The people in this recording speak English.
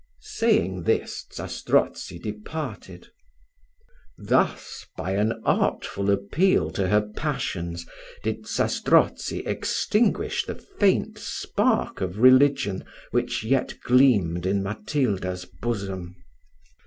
Saying this, Zastrozzi departed. Thus, by an artful appeal to her passions, did Zastrozzi extinguish the faint spark of religion which yet gleamed in Matilda's bosom.